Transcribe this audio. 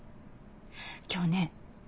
今日ね